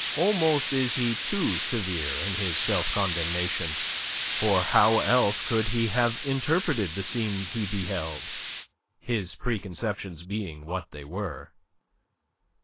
Almost is he too severe in his self condemnation. For how else could he have interpreted the scene he beheld, his preconceptions being what they were?